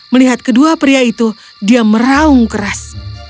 melihat kedua pria itu dia meraung keras